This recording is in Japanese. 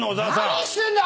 何してんだ！